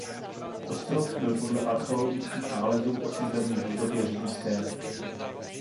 Ostrov byl podle archeologických nálezů osídlen již v době římské.